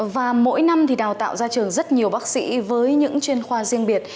và mỗi năm thì đào tạo ra trường rất nhiều bác sĩ với những chuyên khoa riêng biệt